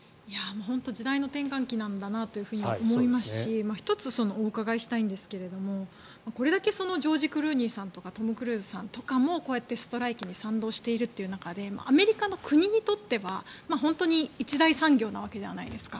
本当に時代の転換期なんだなと思いますし１つ、お伺いしたいんですがこれだけジョージ・クルーニーさんとかトム・クルーズさんとかもこうやってストライキに賛同しているという中でアメリカの国にとっては本当に一大産業なわけじゃないですか。